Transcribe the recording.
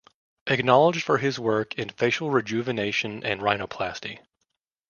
Acknowledged for his work in facial rejuvenation and rhinoplasty.